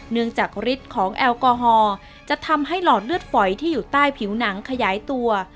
เนื่องจากฤทธิ์ของแอลกอฮอล์จะทำให้หลอดเลือดฝอยที่อยู่ใต้ผิวหนังขยายตัว